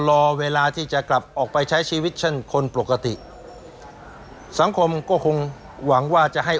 รอเวลาที่จะกลับออกไปใช้ชีวิตเช่นคนปกติสังคมก็คงหวังว่าจะให้